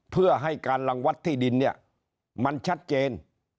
เพื่อให้การรังวัดที่ดินเนี่ยมันชัดเจน